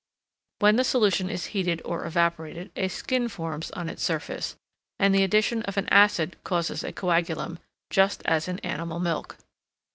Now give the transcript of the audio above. When the solution is heated or evaporated, a skin forms on its surface, and the addition of an acid causes a coagulum, just as in animal milk.